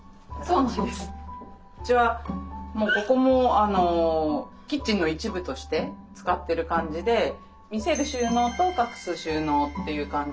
うちはここもキッチンの一部として使ってる感じで見せる収納と隠す収納っていう感じで。